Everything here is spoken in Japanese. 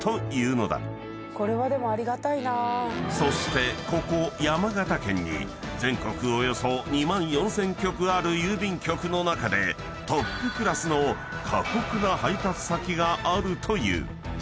［そしてここ山形県に全国およそ２万４，０００局ある郵便局の中でトップクラスの過酷な配達先があるという］